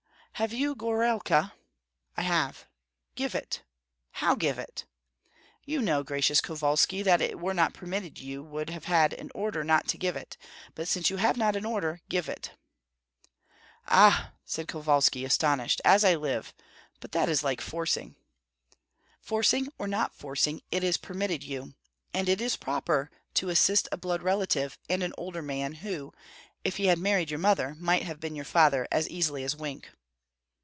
"Have you gorailka?" "I have." "Give it!" "How give it?" "You know, gracious Kovalski, if it were not permitted you would have had an order not to give it; but since you have not an order, give it." "Ah," said Kovalski, astonished, "as I live! but that is like forcing." "Forcing or not forcing, it is permitted you; and it is proper to assist a blood relative and an older man, who, if he had married your mother, might have been your father as easily as wink."